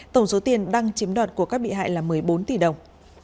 tổng số tiền đăng chiếm đoạt của các bị hại là một mươi bốn tỷ đồng